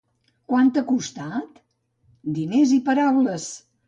—Quant t'ha costat? —Diners i paraules!